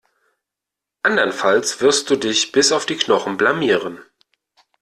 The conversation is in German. Andernfalls wirst du dich bis auf die Knochen blamieren.